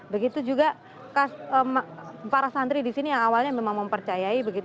begitu juga para santri disini yang awalnya memang mempercayai